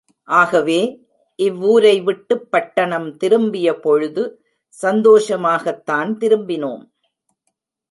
ஆகவே இவ்வூரைவிட்டுப் பட்டணம் திரும்பியபொழுது சந்தோஷமாகத்தான் திரும்பினோம்.